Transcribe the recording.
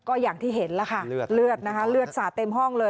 ก็อย่างที่เห็นแล้วค่ะเลือดนะคะเลือดสาดเต็มห้องเลย